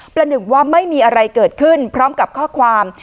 หนึ่งว่าไม่มีอะไรเกิดขึ้นพร้อมกับข้อความ